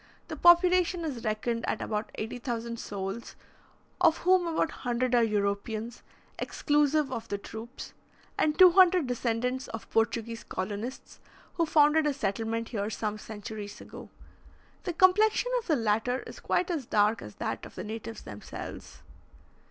The population is reckoned at about 80,000 souls, of whom about 100 are Europeans, exclusive of the troops, and 200 descendants of Portuguese colonists, who founded a settlement here some centuries ago. The complexion of the latter is quite as dark as that of the natives themselves.